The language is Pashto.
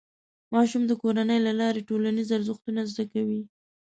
ماشوم د کورنۍ له لارې ټولنیز ارزښتونه زده کوي.